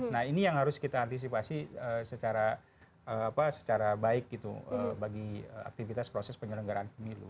nah ini yang harus kita antisipasi secara baik gitu bagi aktivitas proses penyelenggaraan pemilu